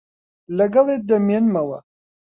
لەگەڵت دەمێنمەوە.